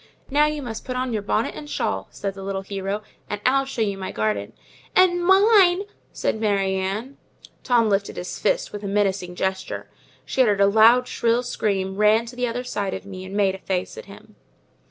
"Now you must put on your bonnet and shawl," said the little hero, "and I'll show you my garden." "And mine," said Mary Ann. Tom lifted his fist with a menacing gesture; she uttered a loud, shrill scream, ran to the other side of me, and made a face at him.